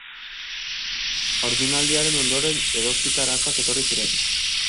Haurdunaldiaren ondoren edoskitze arazoak etorri ziren.